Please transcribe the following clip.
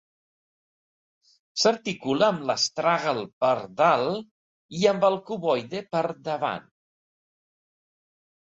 S'articula amb l'astràgal per dalt i amb el cuboide per davant.